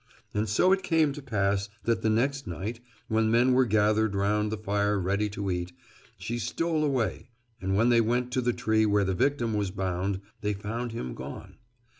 And so it came to pass that the next night, when men were gathered round the fire ready to eat, she stole away, and when they went to the tree where the victim was bound, they found him gone.